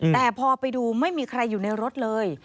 แต่พอไปดูไม่มีใครอยู่ในรถเลย